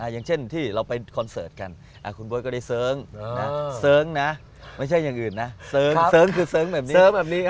อย่างเช่นที่เราไปคอนเสิร์ตกันคุณเบิร์ตก็ได้เสิร์งเสิร์งนะไม่ใช่อย่างอื่นนะเสิร์งคือเสิร์งแบบนี้เสิร์ฟแบบนี้